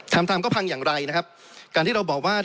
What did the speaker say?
ทำทำก็พังอย่างไรนะครับการที่เราบอกว่า